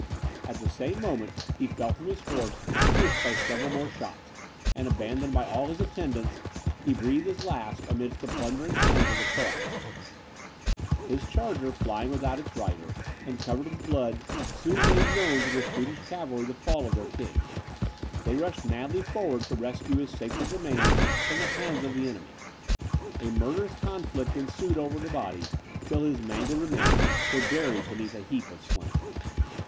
At the same moment he fell from his horse pierced by several more shots; and abandoned by all his attendants, he breathed his last amidst the plundering hands of the Croats. His charger, flying without its rider, and covered with blood, soon made known to the Swedish cavalry the fall of their king. They rushed madly forward to rescue his sacred remains from the hands of the enemy. A murderous conflict ensued over the body, till his mangled remains were buried beneath a heap of slain.